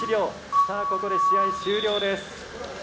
さあここで試合終了です。